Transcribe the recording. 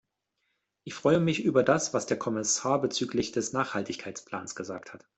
Ich freue mich über das, was der Kommissar bezüglich des Nachhaltigkeitsplans gesagt hat.